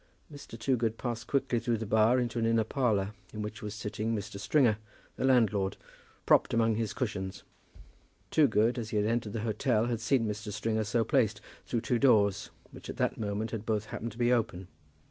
Mr. Toogood passed quickly through the bar into an inner parlour, in which was sitting Mr. Stringer, the landlord, propped among his cushions. Toogood, as he had entered the hotel, had seen Mr. Stringer so placed, through the two doors, which at that moment had both happened to be open.